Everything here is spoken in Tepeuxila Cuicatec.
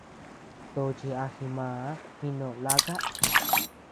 Tochi a jimàà jiknó laka.